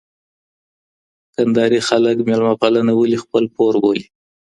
کندهاري خلګ مېلمه پالنه ولي خپل پور بولي؟